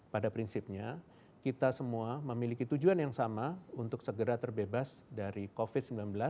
pada prinsipnya kita semua memiliki tujuan yang sama untuk segera terbebas dari covid sembilan belas